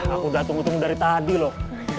aku gak tunggu tunggu dari tadi loh